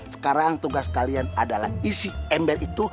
sekarang tugas kalian adalah isi ember itu